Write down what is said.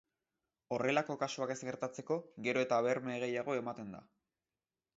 Horrelako kasuak ez gertatzeko, gero eta berme gehiago ematen da.